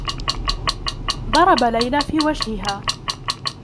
ضرب ليلى في وجهها.